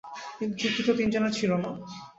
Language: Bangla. কিন্তু চুক্তি তো তিনজনের ছিলো না।